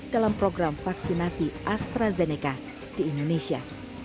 dalam program vaksinasi astrazeneca di indonesia